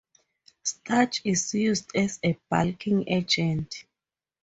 Starch is used as a bulking agent.